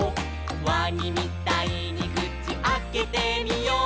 「わにみたいにくちあけてみよう」